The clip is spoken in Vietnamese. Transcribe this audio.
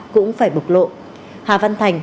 cũng phải bộc lộ hà văn thành